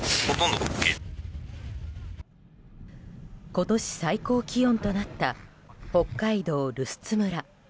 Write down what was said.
今年最高気温となった北海道留寿都村。